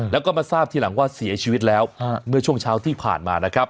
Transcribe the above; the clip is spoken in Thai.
แล้วก็มาทราบทีหลังว่าเสียชีวิตแล้วเมื่อช่วงเช้าที่ผ่านมานะครับ